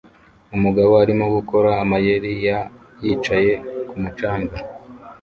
Umugabo arimo gukora amayeri ya yicaye kumu canga